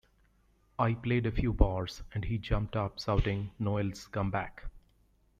I played a few bars and he jumped up shouting, 'Noel's come back'.